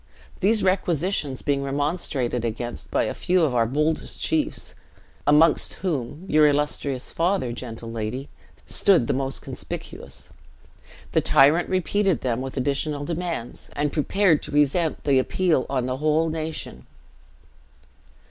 These requisitions being remonstrated against by a few of our boldest chiefs (amongst whom, your illustrious father, gentle lady, stood the most conspicuous), the tyrant repeated them with additional demands, and prepared to resent the appeal on the whole nation.